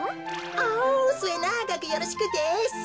おすえながくよろしくです。